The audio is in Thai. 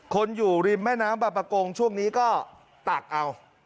คนอยู่ริมแม่น้ำบาปกงช่วงนี้ก็ตักเอา